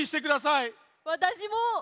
わたしも。